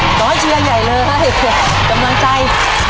น้อยเชียร์ใหญ่เลยจำนวนใจ